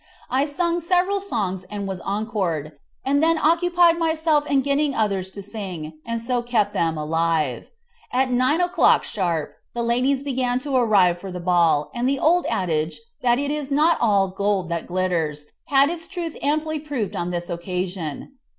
I sang several songs and was encored, and then occupied myself in getting others to sing, and so kept them alive. At 9 o'clock sharp the ladies began to arrive for the ball, and the old adage that "it is not all gold that glitters" had its truth amply proved on this occasion.